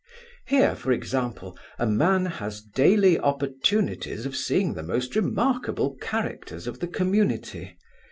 Here, for example, a man has daily opportunities of seeing the most remarkable characters of the community.